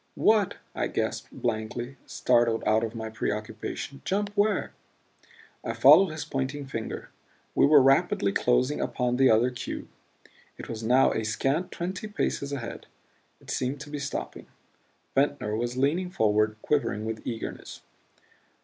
"What?" I gasped, blankly, startled out of my preoccupation. "Jump where?" I followed his pointing finger. We were rapidly closing upon the other cube; it was now a scant twenty paces ahead; it seemed to be stopping. Ventnor was leaning forward, quivering with eagerness.